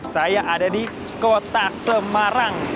saya ada di kota semarang